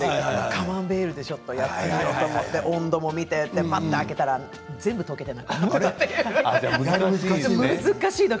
カマンベールでちょっとやってみようと思って温度を見て開けてみたら全部溶けてなくなっていた。